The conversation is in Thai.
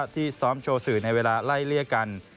ที่ซ้อมโชสึในเวลาไล่เรี่ยงกัน